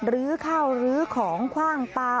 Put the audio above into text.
ลื้อข้าวลื้อของคว่างปลา